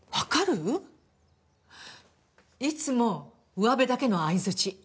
いつもうわべだけの相づち。